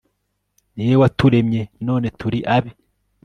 ni we waturemye, none turi abe